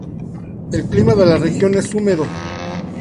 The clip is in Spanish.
El clima de la región es húmedo.